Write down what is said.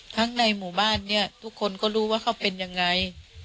ในหมู่บ้านเนี่ยทุกคนก็รู้ว่าเขาเป็นยังไง